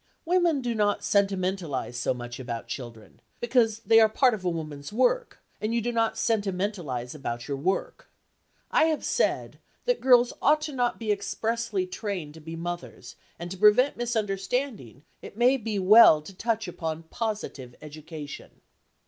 Women do not sentimentalise so much about children, because they are a part of women's work, and you do not sentimentalise about your work. I have said (Chapter XIII.) that girls ought not to be expressly trained to be mothers, and to prevent misunderstanding, it may be well to touch upon positive education.